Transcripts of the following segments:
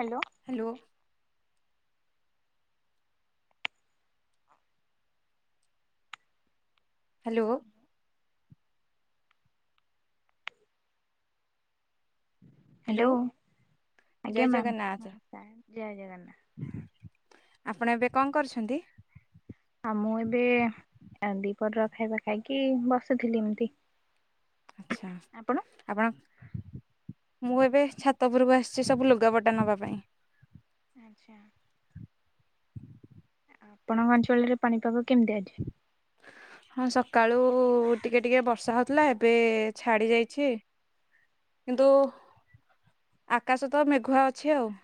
Hello. Hello. Hello. Hello ଆଜ୍ଞା ଜୟ ma'am Jagannath ନମସ୍କାର ଜୟ ଜଗନ୍ନାଥ। ଆପଣ ଏବେ କଣ କରୁସନ୍ତି? ଆଉ ମୁଁ ଏବେ ଦିପରର ଖାଇବା ଖାଇକି ବସିଥିଲି ଏମତି। ଆଚ୍ଛା। ଆପଣ ମୁଁ ଏବେ ଛାତ ଉପରକୁ ଆସିଛି ସବୁ ଲୁଗାପଟା ନବା ପାଇଁ। ଆଚ୍ଛା। ଆପଣଙ୍କ ଅଞ୍ଚଳରେ ପାଣିପାଗ କେମିତି ଆଜି? ହଁ ସକାଳୁ ଟିକେ ଟିକେ ବର୍ଷା ହେଉଥିଲା ଏବେ ଛାଡ଼ି ଯାଇଛି। କିନ୍ତୁ ଆକାଶ ତ ମେଘୁଆ ଅଛି ଆଉ।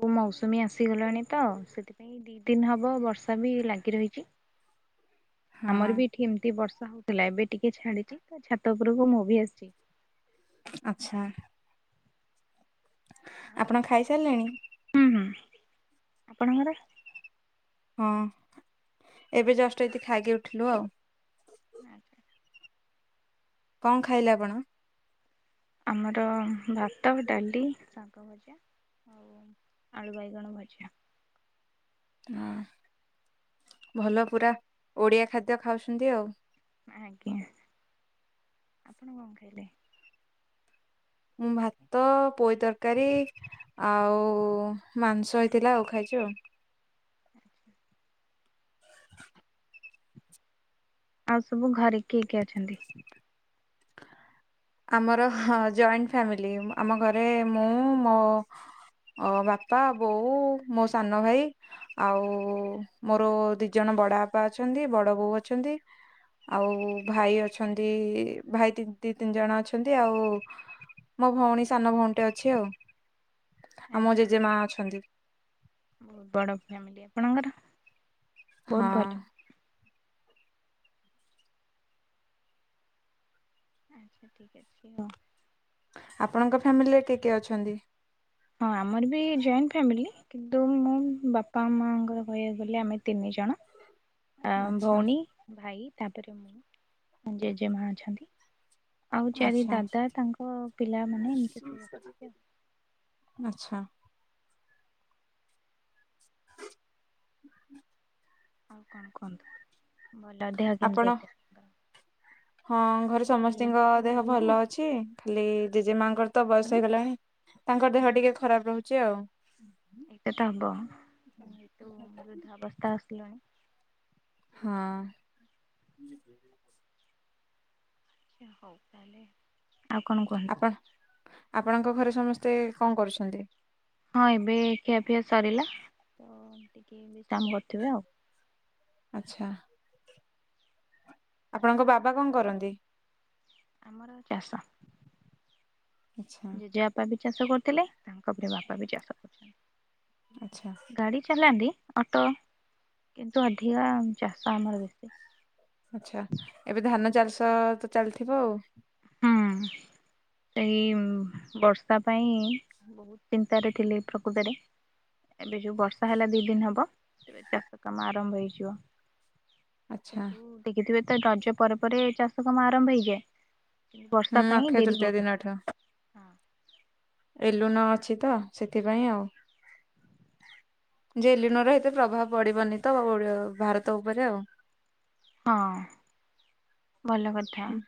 ତମୌସୁମୀ ଆସିଗଲାଣି ତ ସେଥିପାଇଁ। ଦି ଦିନ ହବ ବର୍ଷା ବି ଲାଗି ରହିଛି। ହଁ ଆମର ବି ଏଠି ଏମତି ବର୍ଷା ହଉଥିଲା ଏବେ ଟିକେ ଛାଡିଛି ତ ଛାତ ଉପରକୁ ମୁଁ ବି ଆସିଛି। ଆଚ୍ଛା। ଆଉ ଆପଣ ଖାଇସାରିଲେଣି? ହୁଁ ହୁଁ ଆପଣଙ୍କର? ହଁ ଏବେ ଜଷ୍ଟ ଏତିି ଖାଇକି ଉଠିଲୁ ଆଉ। ଆଜ୍ଞା କଣ ଖାଇଲେ ଆପଣ? ଆମର ଭାତ ଡାଲି ଶାଗ ଭଜା। ଆଳୁ ବାଇଗଣ ଭଆ। ହଁ ଭଲ ପୁରା ଓଡିଆ ଖାଦ୍ୟ ଖାଉଛନ୍ତି ଆଉ। ଆଜ୍ଞା ଆପଣ କଣ ଖାଇଲେ? ମୁଁ ଭାତ, ପୋଇ ତରକାରୀ ଆଉ ମାଂସ ହେଇଥିଲା ଆଉ ଖାଇଚି ଆଉ। ଆଉ ସବୁ ଘରେ କିଏ କିଏ ଅଛନ୍ତି? ଆମର ହଁ ଜଏଣ୍ଟ ଫ୍ୟାମିଲି ଆମ ଘରେ ମୁଁ ମୋ ଓ ବାପା ବୋଉ ମୋ ସାନ ଭାଇ ଆଉ ମୋର ଦି ଜଣ ବଡ ବାପା ଅଛନ୍ତି ବଡ ବୋଉ ଅଛନ୍ତି। ଆଉ ଭାଇ ଅଛନ୍ତି ଭାଇ ଦି ତି ତିନି ଜଣ ଅଛନ୍ତି ଆଉ ମୋ ଭଉଣୀ ସାନ ଭଉଣୀଟେ ଅଛି ଆଉ। ଆଉ ମୋ ଆଚ୍ଛା ଜେଜେମା ଅଛନ୍ତି। ବଡ ଫ୍ୟାମିଲ ଆପଣଙ୍କର ହଁ ବହୁତ ଭଲ। ଆଚ୍ଛା ଠିକ୍ ଅଛି ହଉ। ଆପଣଙ୍କ ଫ୍ୟାମିଲିରେ କିଏ କିଏ ଅଛନ୍ତି? ହଁ ଆମର ବି ଜଏଣ୍ଟ ଫ୍ୟାମିଲି। କିନ୍ତୁ ମୁଁ ବାପା ମାଆଙ୍କର କହିବାକୁ ଗଲେ ଆମେ ତିନି ଜଣ। ଆଉ ଆଚ୍ଛା ଭଉଣୀ ଭାଇ ତାପରେ ମୁଁ ଜେଜେମା ଅଛନ୍ତି। ଆଉ ଚାରି ଆଚ୍ଛା ଦାଦା ତାଙ୍କ ପିଲାମାନେ ଏମିତି ସବୁ ଅଛନ୍ତି ଆଉ। ଆଚ୍ଛା। ଆଉ କଣ କୁହନ୍ତୁ ଭଲ ଦେହ କେମିତି ଆପଣ ଅଛି? ଆପଣଙ୍କର? [unintelligible] ହଁ ଘରେ ସମସ୍ତିଙ୍କ ଦେହ ଭଲ ଅଛି, ଖାଲି ଜେଜେମାଙ୍କର ତ ବୟସ ହେଇଗଲାଣି। ତାଙ୍କ ଦେହ ଟିକେ ଖରାପ ରହୁଛି ଆଉ। ଏଟା ତ ହବ, ଯେହେତୁ ବୃଦ୍ଧ ଅବସ୍ଥା ଆସିଲାଣି। ହଁ [unintelligible] ହଉ ତାହେଲେ ଆଉ କଣ କହିବୁ? ଆପଣ ଆପଣଙ୍କ ଘରେ ସମସ୍ତେ କଣ କରୁଛନ୍ତି? ହଁ ଏବେ ଖିଆପିଆ ସରିଲା ତ ଟିକେ କାମ କରୁଥିବେ ଆଉ। ଆଚ୍ଛା। ଆପଣଙ୍କ ବାବା କଣ କରନ୍ତି? ଆମର ଚାଷ, ଆଚ୍ଛା ଜେଜେବା ବାପା ବି ଚାଷ କରୁଥିଲେ ତାଙ୍କ ପରେ ବାପା ବି ଚାଷ କରୁଥିଲେ, ଆଚ୍ଛା ଗାଡି ଚଲାନ୍ତି ଅଟୋ କିନ୍ତୁ ଅଧିକା ଚାଷ ଆମର ବେଶୀ। ଆଚ୍ଛା ଏବେ ଧାନ ଚାଷ ତ ଚାଲିଥିବ ଆଉ। ହୁଁ ଏଇ ବର୍ଷା ପାଇଁ ବହୁତ ଚିନ୍ତାରେ ଥିଲେ ପ୍ରକୃତରେ। ଏବେ ଯୋଉ ବର୍ଷା ହେଲା ଦି ଦିନ ହେବ ତେବେ ଚାଷ କାମ ଆରମ୍ଭ ହେଇଯିବ। ଆଚ୍ଛା କିନ୍ତୁ ଦେଖିଥିବେ ତ ରଜ ପରେ ପରେ ଚାଷ କାମ ଆରମ୍ଭ ହେଇଯାଏ। ହୁଁ ବର୍ଷା ପାଇଁ ଅକ୍ଷୟ ଡେରି ତୃତୀୟ ହଉଥିଲା। ହଁ। ସେଲୁନ ଅଛି ତ ସେଥିପାଇଁ ଆଉ। ଜେଲିନୋର ଏତେ ପ୍ରଭାବ ପଡ଼ିବନି ତ ଓ ଭାରତ ଉପରେ ଆଉ। ହଁ ଭଲ କ ହୁଁ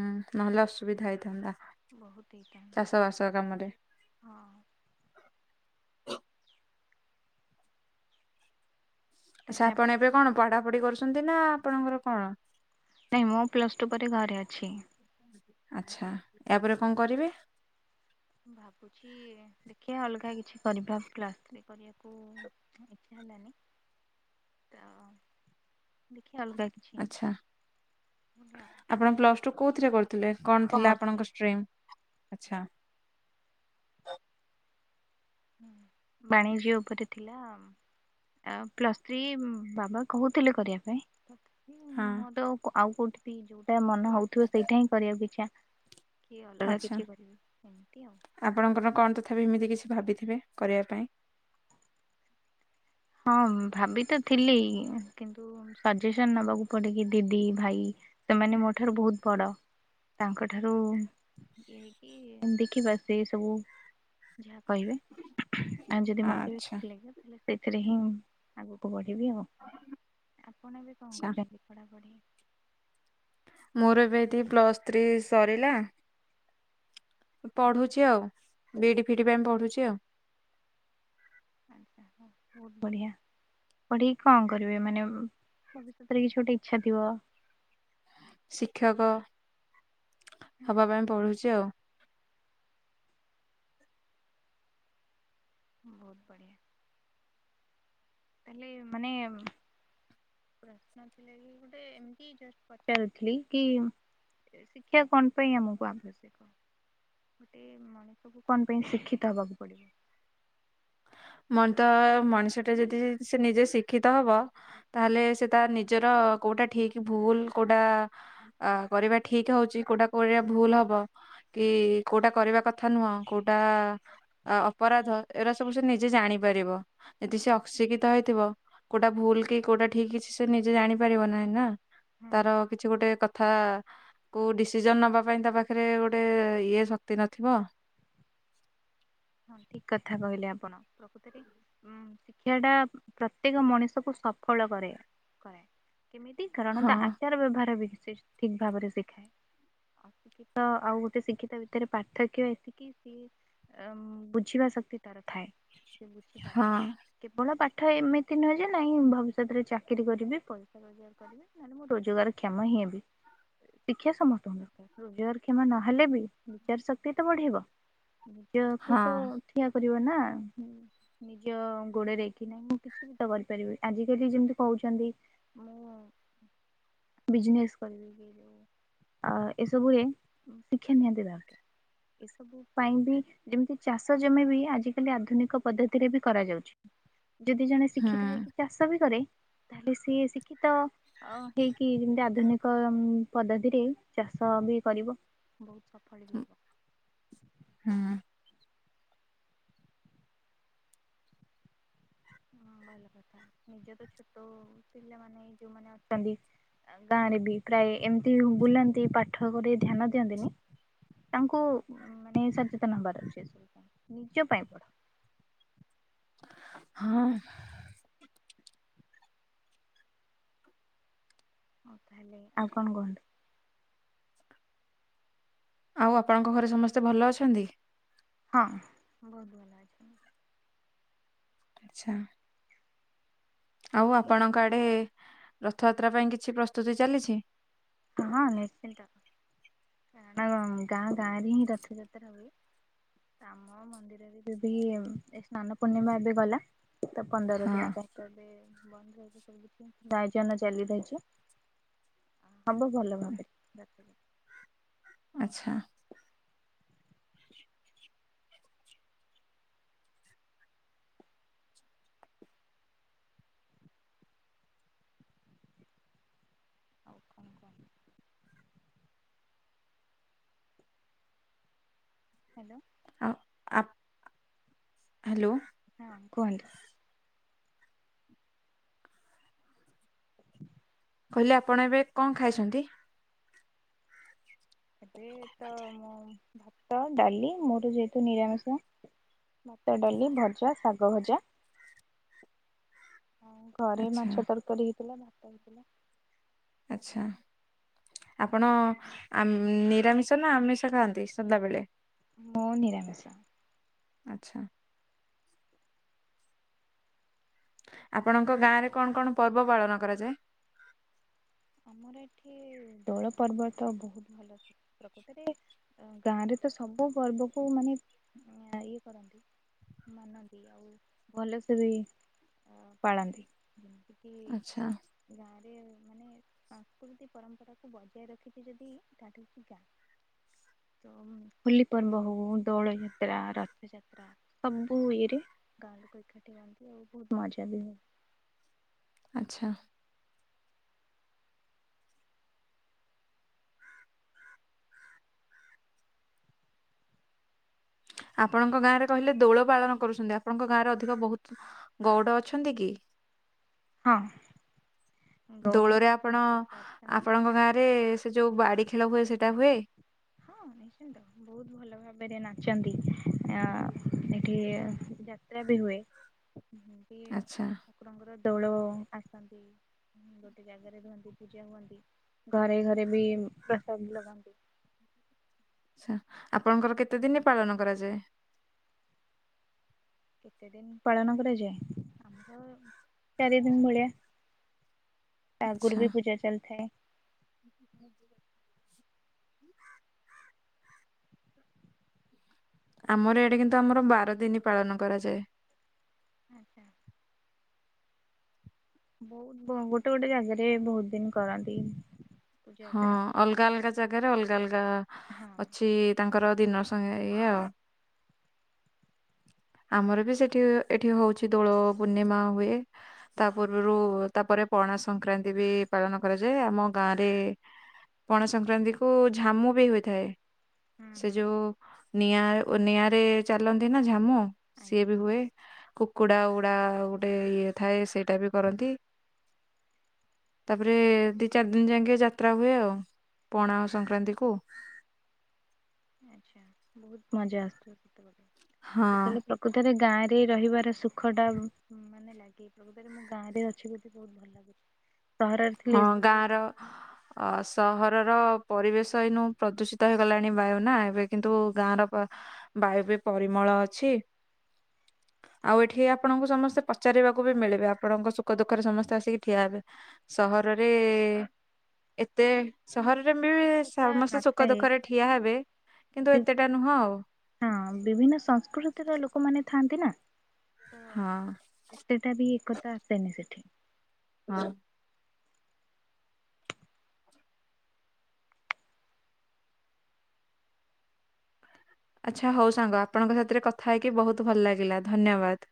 ନହେଲେ ଅସୁବିଧା ହେଇଥାନ୍ତା। ବହୁତ ହେଇଥାନ୍ତା ଯେ ଚାଷବାସ କାମରେ। ହଁ। ସା ଆପଣ ଏବେ କଣ ପଢାପଢି କରୁଛନ୍ତି ନା ଆପଣଙ୍କର କଣ? ନାଇଁ ମୁଁ ପ୍ଲଷ୍ଟୁ ପରେ ଘରେ ଅଛି। ଆଚ୍ଛା ଏହାପରେ କଣ କରିବେ? ଭାବୁଛି ଦେଖିବା ଅଲଗା କିଛି କରିବା ପ୍ଲସ୍ ଥ୍ରୀ କରିବାକୁ। କୁ ଇଚ୍ଛା ହେଲାନି ତ ଦେଖିବା ଅଲଗା କିଛି ଆଚ୍ଛା। ଆପଣ ପ୍ଲସ୍ ଟୁ କୋଉଥିରେ କରିଥିଲେ କଣ ଥିଲା ଆପଣଙ୍କ ଷ୍ଟ୍ରିମ୍, ଆଚ୍ଛା। ବାଣିଜ୍ୟ ଉପରେ ଥିଲା। ଆ ପ୍ଲସ୍ ଥ୍ରୀ ବାବା କହୁଥିଲେ କରିବା ପାଇଁ। ହଁ। ତ କ ଆଉ କୋଉଠି ଯୋଉଟା ମନ ହଉଥିବ ସେଇଟା ହିଁ କରିବାକୁ ଇଚ୍ଛା। କିଏ ଅଲଗା ଆଚ୍ଛା କିଛି କରିବି ଏମିତି ଆଉ। ଆପଣଙ୍କର କଣ ତଥାପି ଏମିତି କିଛି ଭାବିଥିବେ କରିବା ପାଇଁ। ହଁ ଭାବି ତ ଥିଲି କିନ୍ତୁ ସଜେସନ ନେବାକୁ ପଡେ କି ଦିଦି ଭାଇ ସେମାନେ ମୋ ଠାରୁ ବହୁତ ବଡ। ତାଙ୍କଠାରୁ ଇଏ ହେଇକିି ଦେଖିିବା ସେ ସବୁ ଯାହା କହିବେ ଆଉ ଯଦି ମୋତେ ବି ଆଚ୍ଛା ଠିକ୍ ଲାଗିବ ତାହେଲେ ସେଥିରେ ହିଁ ଆଗକୁ ବଢ଼ିବି ଆଉ ଆପଣ ଏବେ କଣ ଆଚ୍ଛା କରୁଛନ୍ତି ପଢ଼ାପଢ଼ି। ମୋର ଏବେ ଏଠି ପ୍ଲସ ଥ୍ରୀ ସରିଲା। ଆଚ୍ଛା ପଢୁଛି ଆଉ ବିଡି ଫିଡି ପାଇଁ ପଢୁଛି ଆଉ। ଆ ହ। ବହୁତ ବଢିଆ ପଢେଇକି କଣ କରିବେ ମାନେ ଭବିଷ୍ୟତରେ କିଛି ଗୋଟେ ଇଚ୍ଛା ଥିବ। ଶିକ୍ଷକ ହବା ଆଚ୍ଛା ପାଇଁ ପଢୁଛି ଆଉ। ବହୁତ ବଢ଼ିଆ। ତାହେଲେ ମାନେ ପ୍ରଶ୍ନ ଥିଲା କି ଗୋଟେ ଏମି ଜଷ୍ଟ୍ ପଚାରୁଥିଲି କି ଶିକ୍ଷା କଣ ପାଇଁ ଆମକୁ ଆବଶ୍ୟକ? ଗୋଟେ ମଣିଷକୁ କଣ ପାଇଁ ଶିକ୍ଷିତ ହେବାକୁ ପଡିବ? ମଣିଷ ମଣିଷ ଟା ଯଦି ସେ ନିଜେ ଶିକ୍ଷିତ ହବ ତାହେଲେ ସେ ତା ନିଜର କୋଉଟା ଠିକ ଭୁଲ କୋଉଟା ଅ କରିବା ଠିକ ହଉଛି କୋଉଟା କରିବା ଭୁଲ ହବ। କି କୋଉଟା କରିବା କଥା ନୁହଁ କୋଉଟା ଅପରାଧ ଏରା ସବୁ ସେ ନିଜେ। ଜେ ଜାଣିପାରିବ। ଯଦି ସେ ଅଶିକ୍ଷିତ ହେଇଥିବ କୋଉଟା ଭୁଲ କି କୋଉଟା ଠିକ୍ କିଛି ସେ ନିଜେ ଜାଣିପାରିବ ନାହିଁ ନା। ହଁ ତାର କିଛି ଗୋଟେ କଥ୍ ଥା କୋଉ ଡିସିସନ୍ ନେବା ପାଇଁ ତା ପାଖରେ ଗୋଟେ ଇଏ ଶକ୍ତି ନଥିବ। ହଁ ଠିକ୍ କଥା କହିଲେ ଆପଣ ପ୍ରକୃତରେ। ଉମ୍ ଶିକ୍ଷାଟା ପ୍ରତ୍ୟେକ ମଣିଷକୁ ସଫଳ କରେ କରେ। କେମିତି କାରଣ ହଁ ତା ଆଚାର ବ୍ୟବହାର ବି ସେ ଠିକ୍ ଭାବରେ ଶିଖେ। ଶିକ୍ଷିତ ଆଉ ଗୋଟେ ଶିକ୍ଷିତ ଭିତରେ ପାର୍ଥକ୍ୟ ଏତିକି ସିଏ। ବୁଝିବା ଶକ୍ତି ତାର ଥାଏ ସେ ବୁଝିପାରେ। ହଁ କେବଳ ପାଠ ଏମିତି ନୁହେଁ ଯେ ନାହିଁ ଭବିଷ୍ୟତରେ ଚାକିରି କରିବି ପଇସା ରୋଜଗାର କରିବି। କରିବେ ନହେଲେ ମୁଁ ରୋଜଗାର କ୍ଷମ ହିଁ ହେବି। ଶିକ୍ଷା ସମସ୍ତଙ୍କୁ ଦରକାର ରୋଜଗାର କ୍ଷମା ନହେଲେ ବି ବିଚାର ଶକ୍ତି ତ ବଢିବ। ନିଜ କୁ ହଁ ତ ଠିଆ କରିବ ନା ହୁଁ। ନିଜ ଗୋଡରେ କି ନା ମୁଁ କିଛି ବି ତ କରିପାରିବି। ଆଜିକାଲି ଯେମିତି କୋହୁଚନ୍ତି ବିଜନେସ୍ କରିବେ କହିଲେ। ଆ ଏସବୁରେ ଉଁ ଶିକ୍ଷା ନିହାତି ଦରକାର। ଏସବୁ ପାଇଁ ବି ଯେମିତି ଚାଷ ଜମି ବି ଆଜିକାଲି ଆଧୁନିକ ପଦ୍ଧତିରେ ବି କରାଯାଉଚି। ଯଦି ଜଣେ ଶିକ୍ଷିତ ହେଇକି ହୁଁ ଚାଷ ବି କରେ ତାହେଲେ ସିଏ ଶିକ୍ଷିତ। ଅ ହେଇକି ଯେମିତି ଆଧୁନିକ ପଦ୍ଧତିରେ ଚାଷ ବି କରିବ ବୋହୁତ। ଫଳି ବି ହବ। ହୁଁ। ହଁ ଭଲ କଥା ନିଜ ତ ଛୋଟ ପିଲାମାନେ ଯୋଉମାନେ ଅଛନ୍ତି। ଗାଁରେ ବି ପ୍ରାୟେ ଏମିତି ବୁଲନ୍ତି ପାଠ ଉପରେ ଧ୍ୟାନ ଦିଅନ୍ତିନି। ତାଙ୍କୁ ମାନେ ସଚେତନ ହବାର ଅଛି ନିଜ ପାଇଁ ପଢ। ହାଁଆଁଉଁ। [unintelligible] ହୋଉ ତାହେଲେ ଆଉ କଣ କୁହନ୍ତୁ। ଆଉ ଆପଣଙ୍କ ଘରେ ସମସ୍ତେ ଭଲ ଅଛନ୍ତି? ହଁ ହଁ ବୋହୁତ ଭଲ ହେଇଚି ତମ [unintelligible] ଆଚ୍ଛା। ଆଉ ଆପଣଙ୍କ ଆଡେ ରଥଯାତ୍ରା ପାଇଁ କିଛି ପ୍ରସ୍ତୁତି ଚାଲିଚି? ହଁ ନିଶ୍ଚିତ ହଁ ଗାଁ ଗାଁରେ ହିଁ ରଥଯାତ୍ରା ହୁଏ। ଆମ ମନ୍ଦିରରେ ଯଦି ଏ ସ୍ନାନ ପୂର୍ଣ୍ଣିମା ଏବେ ଗଲା। ତ ପନ୍ଦର ହଁ ଦିନ [unintelligible] ବନ୍ଦ [inaudible] [unintelligible] ଚାଲି ରହିଚି। ସବୁ ଭଲ ଭାବେ [inaudible] ଆଚ୍ଛା। ଆଉ କଣ କହ। ହ୍ୟାଲୋ। ହଁ ଆପ‌୍ ଆ ହାଲୋ। ହଁ କୁହନ୍ତୁ। [inaudible] କହିଲେ ଆପଣ ଏବେ କଣ ଖାଇଚନ୍ତି? ଏବେ ତ ମୁଁ ଭାତ ଡାଲି ମୋର ଯେହେତୁ ନିରାମିଷ। ଭାତ, ଡାଲି, ଭଜା, ଶାଗ ଭଜା [inaudible] ଆଉ ଘରେ ଆଚ୍ଛା ମାଛ ତରକାରୀ ହେଇଥିଲା ଭାତ ହେଇଥିଲା। ଆଚ୍ଛା। ଆପଣ ଆମ୍ ନିରାମିଷ ନା ଆମିଷ ଖାଆନ୍ତି ସଦାବେଳେ? ମୁଁ ନିରାମିଷ। ଆଚ୍ଛା। ଆପଣଙ୍କ ଗାଁରେ କଣ କଣ ପର୍ବ ପାଳନ କରାଯାଏ? ଆମର ଏଠି ଦୋଳ ପର୍ବ ତ ବୋହୁତ ଭଲ ହୁ ପ୍ରକୃତରେ ଅ ଗାଁରେ ତ ସବୁ ପର୍ବକୁ ମାନେ [inaudible] ଇଏ କରନ୍ତି। ମାନନ୍ତି ଆଉ ଭଲସେ ବି ପାଳନ୍ତି। ଯେମିତି କି ଆଚ୍ଛା ଗାଁରେ ମାନେ ସଂସ୍କୃତି ପରମ୍ପରାକୁ ବଜାୟ ରଖିଚି ଯଦି ତାଠୁ ଉଁ ଗାଁ। [unintelligible] ତ ହୋଲି ପର୍ବ ହଉ ଦୋଳ ଯାତ୍ରା ରଥଯାତ୍ରା ସବୁ ରେ ଗାଁ ଲୋକ ଏକାଠି ହନ୍ତି ଆଉ ବହୁତ ମଜା ବି ହୁଏ। ଆଛା ଆପଣଙ୍କ ଗାଁରେ କହିଲେ ଦୋଳ ପାଳନ କରୁଛନ୍ତି ଆପଣଙ୍କ ଗାଁରେ ଅଧିକ ବହୁତ ଗଉଡ଼ ଅଛନ୍ତି କି? ହଁ ଗଉଡ଼ ଦୋଳରେ ଆପଣ ବହୁତ ଅଛନ୍ତି ଆପଣଙ୍କ ଗାଁରେ ସେ ଯୋଉ ବାଡି ଖେଳ ହୁଏ ସେଟା ହୁଏ? ହଁ ହ ବହୁତ ଭଲ ଭାବରେ ନାଚନ୍ତି ଏଠି ଯାତ୍ରା ବି ହୁଏ। ହୁଁ ଆଚ୍ଛା କୁକୁରଙ୍କର ଦୋଳ ଆସନ୍ତି ଗୋଟେ ଜାଗା। ଘରେ ଘରେ ବି ପ୍ରସାଦ ଲଗାନ୍ତି। ଆଛା ଆପଣଙ୍କର କେତେ ଦିନରେ ପାଳନ କରାଯାଏ? କେତେ ଦିନ ପାଳନ କରାଯାଏ ଆମର ଚାରି ଦିନ ଭଳିଆ। ଆ ଗୁରୁ ବି ପୂଜା ଚଲଥାଏ। ହୁଁ ଆମର ଏଇଡା କିନ୍ତୁ ଆମର ବାର ଦିନ ପାଳନ କରାଯାଏ। ଆଚ୍ଛା ବହୁତ ଗୋଟେ ଗୋଟେ ଜାଗାରେ ବହୁତ ଦିନ କରନ୍ତି। ପୂଜା ହଁ ଅର୍ଚ୍ଚନା ଅଲଗା ଅଲଗା ଜାଗାରେ ଅଲଗା ଅଲଗା ହଁ ହୁଁ ଅଛି। ତାଙ୍କର ଦିନ ସଂଙ୍ଗେ ଇଏ ଆଉ। ଆମର ବି ସେଠି ଏଠି ହଉଛି ଦୋଳ ପୂର୍ଣ୍ଣିମା ହୁଏ। ତା ପୂର୍ବରୁ ତାପରେ ପଣା ସଂକ୍ରାନ୍ତି ବି ପାଳନ କରାଯାଏ ଆମ ଗାଁରେ ଗୋଟେ ପଣା ସଂକ୍ରାନ୍ତି କୁ ଝାମୁ ବି ହୋଇଥାଏ। ସେ ହୁଁ ଯୋଉ ନିଆଁ ନିଆଁରେ ଚାଲନ୍ତି ନା ଝାମୁ ସିଏ ଆଜ୍ଞା ବି ହୁଏ। ହଁ କୁକୁଡ଼ା ଉୁଡ଼ା ଗୋଟେ ଇଏ ଥାଏ ସେଇଟା ବି କରନ୍ତି। ତାପରେ ଦି ଚାରି ଦିନ ଯାକେ ଟିକେ ଯାତ୍ରା ହୁଏ ଆଉ ପଣା ସଂକ୍ରାନ୍ତି କୁ। ଆଚ୍ଛା ବହୁତ ମଜା ଆସୁଥିବ ସେତେବେଳେ ହଁ ସେତେଳେ। ପ୍ରକୃତରେ ଗାଁ ରେ ରହିବାର ସୁଖ ଟା ପ୍ରକୃତରେ ମୁ ଗାଁରେ ଅଛି ବଧେ ବହୁ ଭଲ ଲାଗୁଛି। ସହରରେ ଥିଲେ ହଁ ଏସବୁ ଗାଁ ର ଅ ସହରର ପରିବେଶ ଏଇନୁ ପ୍ରଦୂଷିତ ହେଇଗଲାଣି ବାୟୁ। ନା ଏବେ କିନ୍ତୁ ଗାଁ ର ବାୟୁ ବି ପରିମଳ ଅଛି। ଆଉ ଏଠି ଆପଣଙ୍କୁ ସମସ୍ତେ ପଚାରିବାକୁ ବି ମିଳିବେ ଆପଣଙ୍କ ସୁଖ ଦୁଃଖରେ ସମସ୍ତେ ଆସିକି ଠିଆ ହେବେ। ସହରରେ ଏତେ ସହରରେ ବି ଏକତା ସମସ୍ତେ ସୁଖ ନଥାଏ ଦୁଃଖରେ ଠିଆ କାରଣ ହେବେ କିନ୍ତୁ ଏତେଟା ବିଭିନ୍ନ ନୁହଁ ଆଉ। ହଁ ବିଭିନ୍ନ ସଂସ୍କୃତିର ଲୋକମାନେ ଥାଆନ୍ତି ନା ତ ହଁ ଏତେଟା ବି ଏକତା ଆସେନି ସେଠି। ହଁ ଆଚ୍ଛା ହଉ ସାଙ୍ଗ ଆପଣଙ୍କ ସାଥିରେ କଥା ହେଇକି ବହୁତ ଭଲ ଲାଗିଲା ଧନ୍ୟବାଦ।